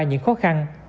những khó khăn